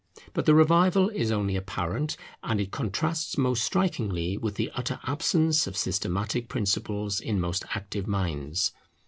But the revival is only apparent, and it contrasts most strikingly with the utter absence of systematic principles in most active minds.